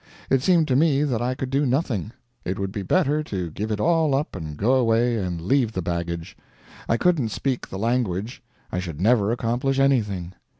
It seemed to me that I could do nothing; it would be better to give it all up and go away and leave the baggage. I couldn't speak the language; I should never accomplish anything.